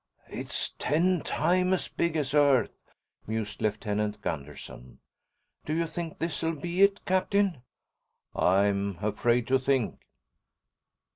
"It's ten times as big as Earth," mused Lieutenant Gunderson. "Do you think this'll be it, Captain?" "I'm afraid to think."